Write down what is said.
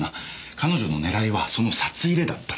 彼女の狙いはその札入れだったんですよ。